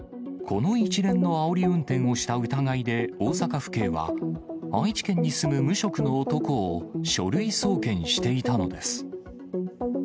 この一連のあおり運転をした疑いで大阪府警は、愛知県に住む無職の男を書類送検していたのです。